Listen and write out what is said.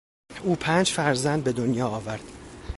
او پنج فرزند به دنیا آورد.